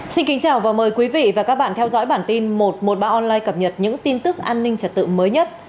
xin kính chào và mời quý vị và các bạn theo dõi bản tin một trăm một mươi ba online cập nhật những tin tức an ninh trật tự mới nhất